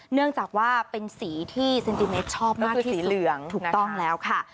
เนื่องจากว่าเป็นสีที่เซนติเมตรชอบมากคือสีเหลืองถูกต้องแล้วค่ะ